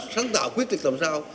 sáng tạo quyết định làm sao